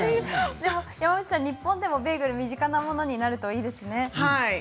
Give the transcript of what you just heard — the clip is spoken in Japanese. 日本でもベーグルが身近なものになるといいですね。